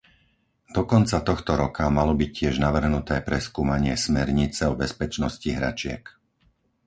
Do konca tohto roka malo byť tiež navrhnuté preskúmanie smernice o bezpečnosti hračiek.